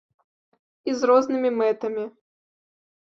І з рознымі мэтамі.